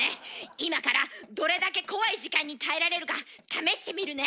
今からどれだけ怖い時間に耐えられるか試してみるね。